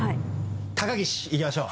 高岸いきましょう。